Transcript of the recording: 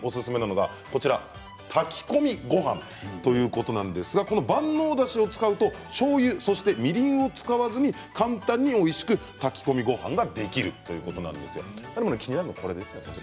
特に野永シェフおすすめなのが炊き込みごはんということなんですがこの万能だしを使うとしょうゆやみりんを使わずに簡単においしく炊き込みごはんができるということなんですよ。